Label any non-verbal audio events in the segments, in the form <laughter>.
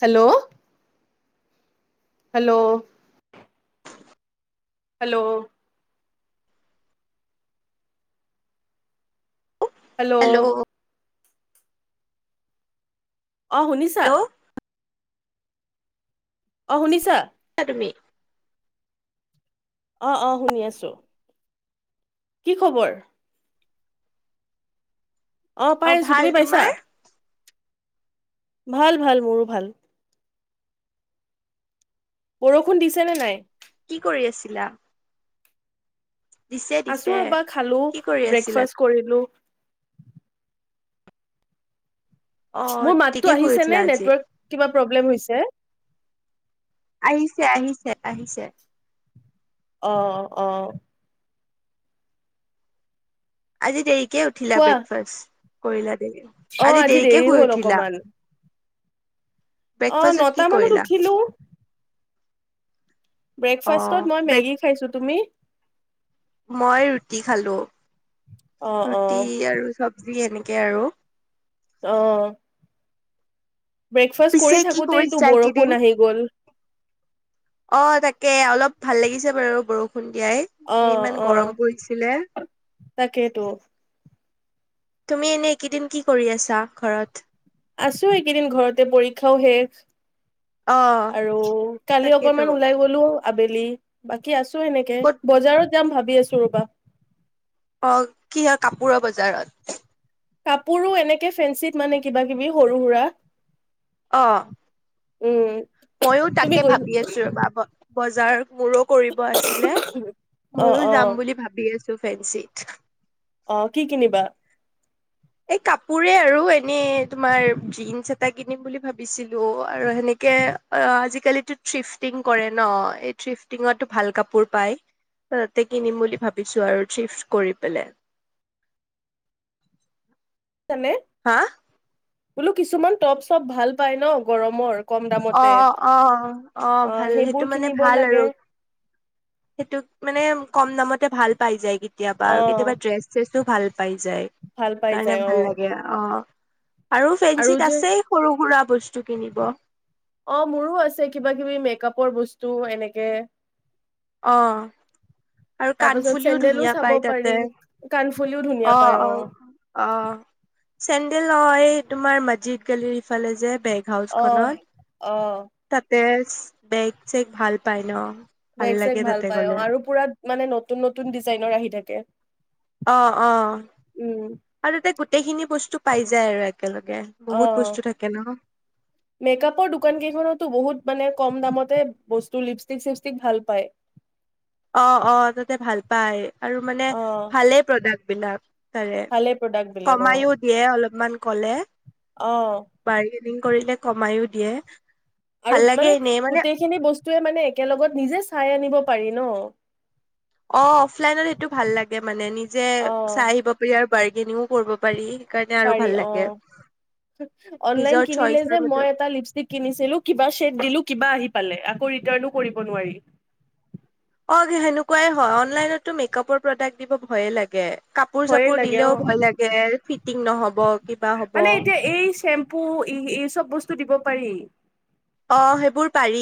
Hello hello hello hello অঁ শুনিছা hello অ শুনিছা তুমি অ অ শুনি আছো। কি খবৰ? অ পাই আছো ভাল তুমি তোমাৰ পাইছা- ভাল ভাল মোৰো ভাল। বৰষুণ দিছে নে নাই? কি কৰি আছিলা দিছে আছো দিছে ৰবা খালো কি কৰি আছিলা ব্ৰেকফাষ্ট কৰিলো। অ মোৰ দেৰিকে মাততটো শুই আহিছে উঠিলা ন আজি নেটৱৰ্কৰ কিবা প্ৰব্লেম হৈছে। আহিছে আহিছে আহিছে। আহ আহ আজি দেৰি কে উঠিলা কোৱা ব্ৰেকফাষ্ট- কৰিলা দেৰি অ আজি দেৰিকে দেৰি শুই হ'ল উঠিলা অকমান। অ ব্ৰেকফাষ্টত কি নটা মানত কৰিলা উঠিলো। অ ব্ৰেকফাষ্টত মই ব্ৰেক মেগী খাইছো, তুমি? মই ৰুটি খালো অ অ ৰুটি আৰু চবজি এনেকে। তাকে আৰু। অহ ব্ৰেকফাষ্ট পিছে কৰি কি থাকোতেইটো কৰিছা এইকেইদিন বৰষুণ আহি গল। অ তাকে অলপ ভাল লাগিছে বাৰু বৰ ষুণ দিয়াই অ ইমান অ গৰম পৰিছিলে। তাকেইতো তুমি এনে এইকেইদিন কি কৰি আছা ঘৰত? আছো এইকেইদিন ঘৰতে পৰীক্ষাও শেষ। অ আৰু কালি তাকেতো অকনমান ওলাই গলো আবে বাকী আছো সেনেকে ক'ত বজাৰত যাম ভাবি আছো ৰবা। অ কি হয় কাপোৰৰ বজাৰত? কাপোৰো এনেকে ফেঞ্চিত মানে কিবা-কিবি সৰু-সুৰা। অ' উম মইও তুমি তাকে গৈ ভাবি আছো ৰবা ভন বজাৰ মোৰো কৰিব আছিলে, অ মইও অ যাম বুলি ভাবি আ ফেঞ্চিত অ কি কিনিবা? এই কাপোৰে আৰু এনে তোমাৰ জিন্স এটা কিনিম বুলি ভাবিছিলো আৰু সেনেকে এ আজিকালিটো থ্ৰিফটিং কৰে ন, এই থ্ৰিফটিংত ত ভাল কাপোৰ পায়, আহ তে কিনিম বুলি ভাবিছো আৰু থ্ৰিফ কৰি পেলে। <unintelligible> হা? বোলো কিছুমান টপ-চপ ভাল পাই ন গৰমৰ। কম অ দামতে অ অ অ ভাল সেইটো সেইবোৰ মানে কিনিব ভাল লাগে আৰু, সেইটো মানে কম দামত ভাল পাই যায় কি কেতিয়াবা অ আৰু কেতিয়াবা ড্ৰেছ-থ্ৰেছ ত' ভাল পাই যায়, ভাল পাই সেইকাৰণে যায় অ ভাল লাগে অ' আৰু ফেঞ্চিত আছে সৰু-সুৰা বস্তু কিনিব। অ মোৰো আছে কিবা-কিবি মেকআপৰ বস্তু এনেকে অ' আৰু তাৰ পাছত কাণফুলিও চেন্দেলো ধুনীয়া চাব পায় পাৰি তাতে কাণফুলিও ধুনীয়া অ, পায় অ, অ' চেণ্ডেল অ' এই তোমাৰ মছজিদ গালিৰ ইফালে যে বেগ অ অ হাউচখনত তাতে বেগ-চেগ ভাল পায় ন বেগ-চেগ লাগে ভাল তাতে পায় অ, গ'লে আৰু পুৰা মানে নতুন নতুন ডিজাইনৰ আহি থাকে। অ, অ। উম আৰুতে গোটেইখিনি বস্তু পাই যায় আৰু একেলগে বহুত অ' বস্তু থাকে ন মেকআপৰ দোকান কেইখনো ত' বহুত মানে কম দামতে বস্তু লিপষ্টিক-চিপষ্টিক ভাল পায়। অ, অ, তাতে ভাল পায় আৰু মানে অ ভালে প্ৰডাক্ট বিলাক তাৰে ভালে প্ৰডাক্ট বিলাক অ কমাইও দিয়ে অলপমান কলে অ বাৰী কৰিলে কমায়ো দিয়ে আৰু ভাল লাগে মানে এনেই গোটেইখিনি বস্তুৱে মানে একেলগত নিজে চাই আনিব পাৰি ন <inaudible> অঁ, অফলাইনত সেইটো ভাল লাগে মানে নিজে চাই আহিব পাৰ আৰু পাৰগে নি পাৰী অঁ নিজৰ অনলাইন কিনিলে চইচৰ যে মতে মই এটা লিপষ্টিক কিনিছিলো কিবা চেট দিলো কিবা আঁহ আকৌ ৰিতানো কৰিব নোৱাৰি <inaudible> অঁ সেনেকুৱাই হয় অনলাইনততো মেকআপৰ প্ৰডাক্ট দিব ভয়ে লাগে কাপোৰ ভয়ে চাপোৰ লাগে অ দিলেওঁ ভয় লাগে টিং নহ'ব কিবা হ'ব মানে এতিয়া এই শেম্প পু এই চব বস্তু দিব পাৰি <inaudible> অঁ সেইবোৰ পাৰি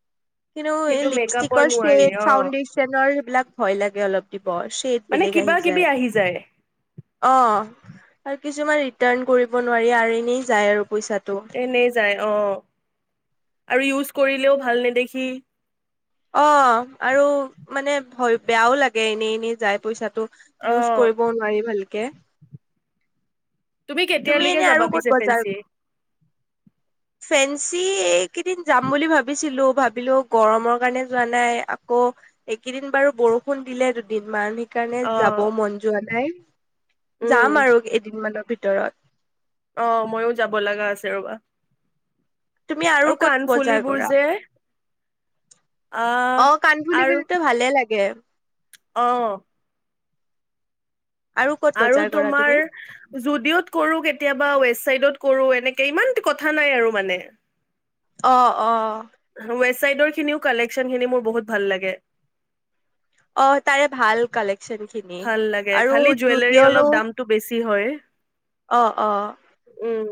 <inaudible> কিন্তু এই মেকআপৰ লিপষ্টিকৰ নোৱাৰি শ্বেড অ ফাউডেশ্যনৰ সেইবিলাক ভয় লাগে অলপ দিব শ্বেড মানে কিবা কিবি আহি যায় <inaudible> অঁ আৰু কিছুমান ৰিটাৰ্ণ কৰিব নোৱাৰি আৰু এনেই যায় আৰু পইচাঁ এনেই যায় অঁহ <inaudible> আৰু ইউজ কৰিলেও ভাল নেদেখি <inaudible> অঁ আৰু মানে বেয়াওঁ লাগে এনে এনেই যায় পইচাটো অ ইউজ কৰিব নোৱাৰি ভাল কে তুমি কেতিয়ালৈকে আৰু যাবা পিছে ফেঞ্চিয়ে ফেন্সি এক কেইদিন যাম বুলি ভাবিছিলো ভাবিলো গৰমৰ কাৰণে যোৱা নাই আকৌ এইকেইদিন বাৰু বৰষুণ দিলে দুদিন মান সেই কাৰণে অ যাব মন যোৱা নাই উম যাম আৰু কেইদিনমানৰ ভিতৰত ভিতৰত অঁ ময়ো যাব লগা আছে ৰ'বা তুমি আৰু কত বজাৰ কাণফুলিবোৰ কৰা যে আহ অঁ কাণফুলি পো ভালে লাগে অঁ ক'ত আৰু বজাৰ কৰা তোমাৰ তুমি? যোদিঅত কৰো কেতিয়াবা ৱেবচাইটত কৰো এনে <unintelligible> কথা নাই আৰু মানে। অ, অ। ৱেষ্টচাইদৰ খিনিও কালেকচন খিনি মোৰ বহুত ভাল লাগে। অ, তাৰে ভাল কালেকচন খিনি ভাল আৰু জুডিওৰো কি হয়। অ, অ। উম,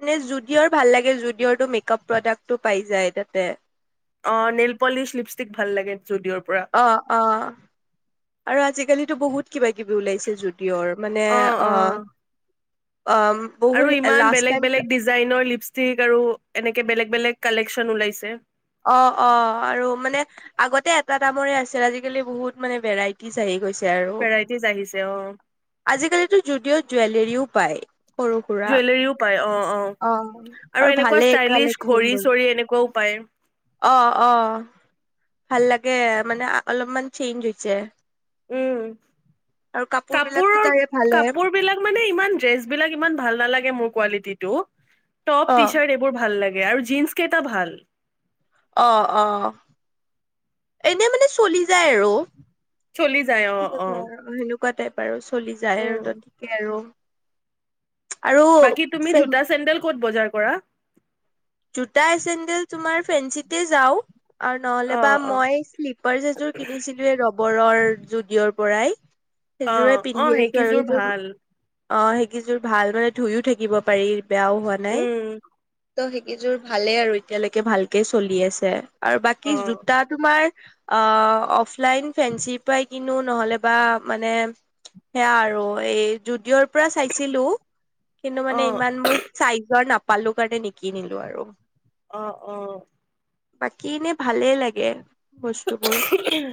মানে জুডিওৰ ভাল লাগে, জুডিওৰটো মেকআপ প্ৰডাক্টটো পাই যায় তাতে। অ, নেলপলিছ, লিপষ্টিক ভাল লাগে। জুডিঅ'ৰ পৰা। অ, অ, আৰু আজি আজিকালিতো বহুত কিবা কিবি ওলাইছে জুডিওৰ, মানে অ অ', বহুত আৰু ইমান লাষ্ট বেলেগ টাইম বেলেগ ডিজাইনৰ লিপষ্টিক আৰু এনেকে বেলেগ বেলেগ কালেকচন ওলাইছে। অ', অ', আৰু মানে আগতে এটা দামৰে আছিল আজিকালি বহুত মানে ভেৰাইটিজ আহি গৈছে আৰু ভেৰাইটিজ আহিছে অ' আজিকালিতো জুডিও জুৱেল হেৰিও পায়। সৰু সুৰা। জুৱেলৰীও পায় অ, অ আৰু এনেকুৱা ভালেই ষ্টাইলিছ কালেকচন বোৰ। ঘড়ী-চৰি এনেকুৱাও পায়। অ, অ। ভাল লাগে মানে অলপমান চেইঞ্জ হৈছে। উম, আৰু কাপোৰ বিলাকতো কাপোৰৰ তাৰে ভালে কাপোৰ বিলাক মানে ইমান। ড্ৰেছ বিলাক ইমান ভাল নালাগে মোৰ কোৱালিতীটো। টপ, অ' টি-চাৰ্ট এইবোৰ ভাল লাগে। <unintelligible> আৰু জিন্স কেইটা ভাল। অ', অ', এনে মানে চলি যায় আৰু। চলি যায় অ, অ। <unintelligible> পাৰোচো চলি যায় উম ট' টিকে আৰু। আৰু বাকী তুমি জোতা চেণ্ডেল ক'ত বজাৰ কৰা। জোতা চেণ্ডেল তোমাৰ ফেন্সিতে যাওঁ। আৰু নহলে অ বা অ মই শ্লিপাৰ এযোৰ কিনিছিলো য়ে ৰব বৰৰ জুডিওৰ পৰাই। অ সেইযোৰে অ পিন্ধি আছো আৰু সেইকেইযোৰ সেইযোৰ ভাল অ', সেইকেইযোৰ ভাল মানে ধুইও থাকিব পাৰি। বেয়াও হোৱা নাই। উম ত হেইক। এইযোৰ ভালে আৰু এতিয়ালৈকে ভালকে চলি আছে। আৰু বাকী অ জোতা তোমাৰ অ', অফলাইন ফেঞ্চিৰ পৰাই কিনো নহ'লে বা মানে সেয়া আৰু এই জোদিঅ'ৰ ৰ পৰা চাইছিলো কিন্তু অ মানে ইমান মোৰ চাইজৰ নাপালো কাৰণে নিকি নিলো আৰু। অ অ। বাকী এনেই ভালেই লাগে বস্তুবোৰ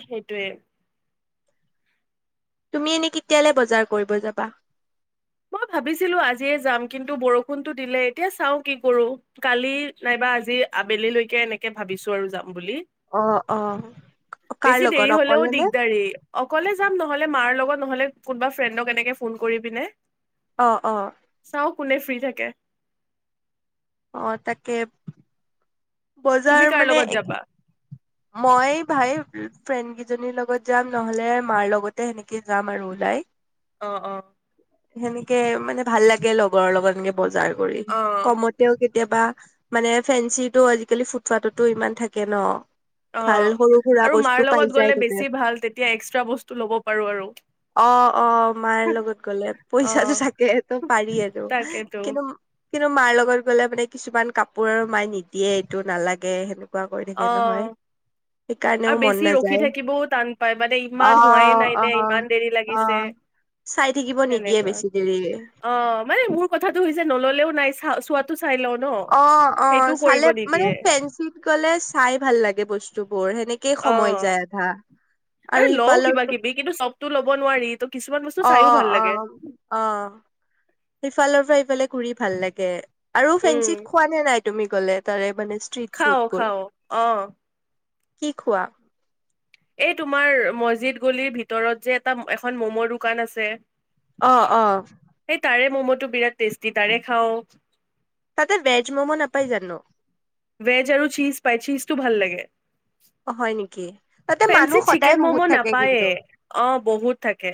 সেইটোৱে। তুমি এনে কেতিয়ালে বজাৰ কৰিব যাবা? মই ভাবিছিলো আজিয়ে যাম কিন্তু বৰষুণতো দিলে এতিয়া চাও কি কৰো। কালি নাইবা আজি আবেলিলৈকে এনেকে ভাবিছো আৰু যাম বুলি অ অ কাৰ বেছি লগত দেৰি হ'লেও অকলে নে দিগদাৰী অকলে যাম নহলে মাৰ লগত নহলে কোনবা ফ্ৰেণ্ডক এনেকে ফোন কৰি পিনে অ, অ। চাও কোনে ফ্ৰী থাকে। অ, তাকে তুমি বজাৰ কাৰ মানে লগত এক যাবা মই ভাই ফ্ৰেণ্ড কিজনীৰ লগত যাম নহলে মাৰ লগতে সেনেকে যাম আৰু ওলাই। অ'অ' সেনেকে মানে ভাল লাগে লগৰ লগত এনে বজাৰ কৰি অ কমতেওঁ কেতি কেতিয়াবা মানে ফেঞ্চি টো আজি আজিকালি ফুট ফাটতো ইমান থাকে ন অ ভাল সৰু সুৰা আৰু মাৰ বস্তু পাই লগত যায় গ'লে তাতে বেছি ভাল তেতিয়া এক্সট্ৰা বস্তু ল'ব পাৰো আৰু অ' অ' মাই লগত গ'লে অ পইচাটো থাকে হেতো পাৰি এইটো আৰু তাকেতো কিন্তু কিন্তু মাৰ লগত গ'লে মানে কিছুমান কাপোৰ আৰু মায়ে নিদিয়ে। এইটো নালাগে হেনোঁ অ' সেইকাৰণেও আৰু মন বেছি ৰখি নাযায়। থাকিবও টান পাই মানে ইমান হোৱাইে অ', নাই নে অ', ইমান দেৰি লাগিছে অ'। চাই থাকিব নিদিয়ে সেনেকুৱা বেছি দেৰি অ' মানে মোৰ কথাটো হৈছে। যে নল'লেও নাই চা চোৱাটো চাই লও ন অ' সেইটো অ' কৰিব চালে মানে নিদিয়ে ফেঞ্চিত গ'লে চাই ভাল লাগে বস্তু। বোৰৰ সেনেকেই অ সময় যায় আধা। এ আৰু লওঁ কিবা কিবি কিন্তু চবতো ল'ব নোৱাৰি ইটো অ' অ' অ' অ' সিফালৰ থাইত এইফালে ঘুৰি ভাল লাগে। আৰু উম ফেঞ্চিত খোৱা নে নাই? তুমি গ'লে তাৰে মানে ষ্ট্ৰিট খাও ফুডবোৰ খাও অঁঃ কি খোৱা এই তোমাৰ মছজিদ গলিৰ ভিতৰত যে এটা এখন মম' দোকান আছে অঁঃ অঁঃ এই তাৰে মম'টো বিৰাট টেষ্টি তাৰে খাওঁ তাতে ভেজ মমো নাপায় জানো ভেজ আৰু চীজ পাই চীজটো ভাল লাগে অ', হয় নেকি? তাতে মানুহ ফেন্সিত সদায় চিকেন বহুত মম' থাকে নাপায়ে কিন্তু অ বহুত থাকে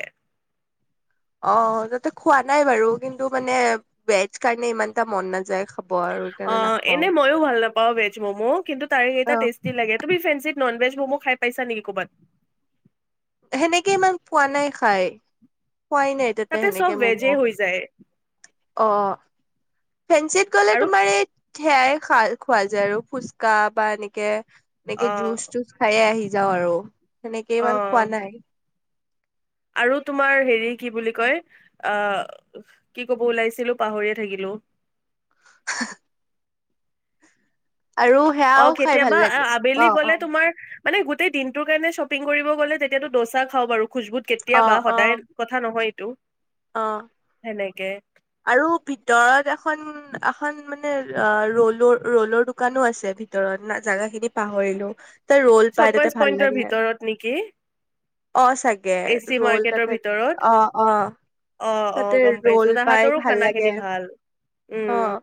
অ তাতে খোৱা নাই বাৰু কিন্তু মানে ভেজ কাৰণে ইমান এটা মন নাযায় খব অ এনে মইও ভাল নাপাও ভেজ ম'মো কিন্তু তাৰে কেইটা অ'। টেষ্টি লাগে তুমি ফেন্সিত নন ভেজ মম' খাই পাইছা নেকি কৰ'বাত সেনেকে ইমান পোৱা নাই খাই পোৱাই নাই তাতে চব সেনেকে মম' ভেজে হৈ যায় অ ফেঞ্চিত গ'লে আৰু তোমাৰ এই সেয়াই খা খোৱা যায় আৰু ফুচকা বা এনেকে অ এনেকে জুচ চুচ খায়েই আহি যাওঁ আৰু মানে অ কেইবাৰো খোৱা নাই আৰু তোমাৰ হেৰি কি বুলি কয় আহ কি কব ওলাইছিলো পাহৰিয়ে থাকিলো হ আৰু অ সেয়াও খাই কেতিয়াবা ভাল লাগে আবেলি অ গ'লে অ তোমাৰ মানে গোটেই দিনটোৰ কাৰণে শ্বপিং কৰিব গ'লে তেতিয়াাতটো দোচা খাওঁ বাৰু খোজবুত অ কেতিয়াাব বা অ সদায় কথা নহয় তটো অ সেনেকে আৰু ভিতৰত এখন এখন মানে ৰল ৰলৰ দোকানো আছে ভিতৰত ন জাগা খিনি পাহৰিলো তাৰ ৰোল শ্বপাৰ্চ পাইৰাতে ভাল পইন্টৰ লাগে আৰু ভিতৰত নেকি অ চাগে এ চি ৰল মাৰ্কেটৰ তাতে ভিতৰত অ অ তাতে ৰল পাই ভাতৰো ভাল খানা লাগে খিনি ভাল অ উম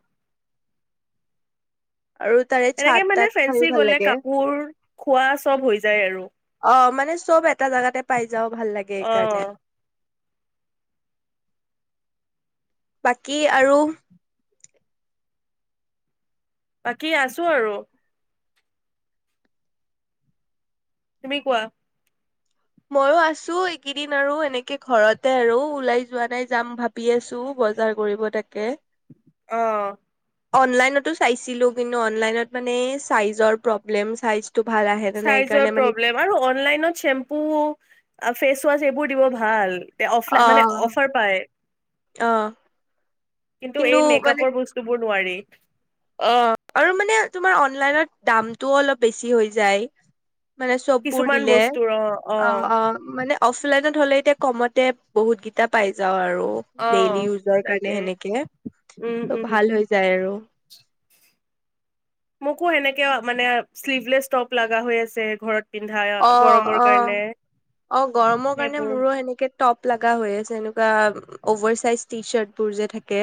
আৰু তাৰে এনেকে চাত মানে তাত খাই ফেঞ্চি ভাল গলে লাগে কাপোৰ খোৱা চব হৈ যায় আৰু অ মানে চব এটা জাগাতে পাই যাও ভাল লাগে অ এইকাৰণে বাকী আৰু বাকী আছো আৰু তুমি কোৱা মইও আছো এইকেইদিন আৰু এনেকে ঘৰতে আৰু ওলাই যোৱা নাই যাম ভাবি আছো বজাৰ কৰিব তাকে আহ অনলাইনটো চাইছিলো কিন্তু অনলাইনত মানে চাইজৰ প্ৰব্লেম চাই জ প্ৰব্লেম আৰু অনলাইনত আপু ফেচ ৱাচ এইবোৰ দিব ভাল তে অফলাই মানে অফাৰ পায় আহ কিন্তু এই মেকআপৰ বস্তুবোৰ নোৱাৰি অ আৰু মানে তোমাৰ অনলাইনত দামতটোও অলপ বেছি হৈ যায় মানে চববোৰ কিছুমান দিলে বস্তুৰ অ অ অ মানে অফলাইনত হ'লে এতিয়া কমতে বহুত কেইটা পাই যাওঁ আৰু অ ডেইলি ইউজৰ কাৰণে তাকে সেনে উম ত' উম ভাল হৈ যায় আৰু মোকো সেনেকে মানে শ্লিভলেছ টপ লগা হৈ আছে ঘৰত পিন্ধা অ গৰমৰ অ কাৰণে অ গৰমৰ কাৰণে সেইবোৰ মোৰো সেনেকে টপ লগা হৈ আছে এনেকা বা অভাৰ চাইজ টি চাৰ্ট বোৰ যে থাকে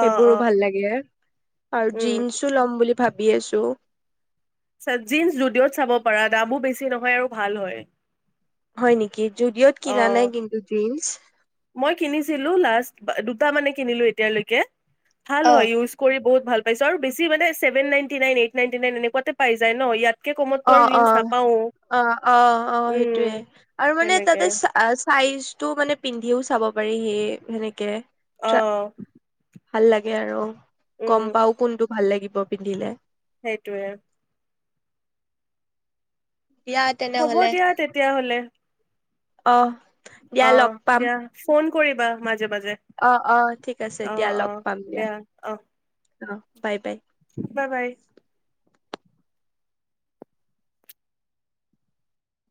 অ অ সেইবোৰো ভাল লাগে আৰু উম জিন্সও লম বুলি ভাবি আছো চেটজিন ষ্টুডিঅ'ত চাব পাৰা দামো বেছি নহয় আৰু ভাল হয় হয় নেকি যুদিঅ'ত অ কিনা নাই কিন্তু জীন্চ মই কিনিছিলো লাষ্ট দুটা মানে কিনিলো এতিয়ালৈকে ভাল অ হয় ইউজ কৰি বহুত ভাল পাইছ আৰু বেছ মানেছেভে ninety nine eight ninety nine এনেকুৱাতে পাইায় ইয়াত অ অ অ অ অ সেইটোয়ে উম আৰু মানে সেনেকে তাতে চ চাইজ টো মানে পিন্ধিও চাব পাৰি সেই সেনেকে আহ ভাল লাগে আৰু গম পাও কোনটো ভাল লাগিব পিন্ধিলে সেইটোৱে দিয়া হ'ব তেনেহ'লে। দিয়া তেতিয়া হ'লে অ দিয়া অ লগ পাম দিয়া ফোন কৰিবা মা- অ অ ঠিক আছে দিয়া অ লগ পাম দিয়া অ অ বাই বাই বাই বাই